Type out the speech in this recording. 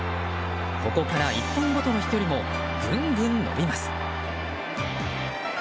ここから１本ごとの飛距離もぐんぐん伸びます。